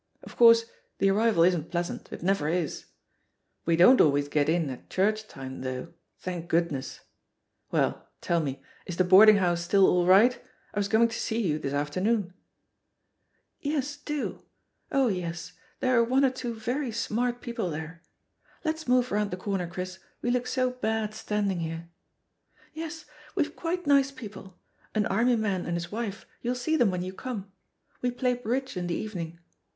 Of course, the arrival isn't pleasant ; it never is. We don't always get in at church time, though, thank goodness I ,Well, tell me, is the boarding house still all right? I was coming to see you this afternoon.'* "Yes, do I Oh yes, there are one or two very {THE POSITION OF PEGGY HARPER Sli smart people there. Let's move round the cor ner, Chris, we look so bad standing he re I Yes, weVe quite nice people — an army man and his wife, you'll see them when you come. We play bridge in the evening.